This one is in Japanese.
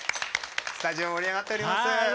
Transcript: スタジオ盛り上がっております。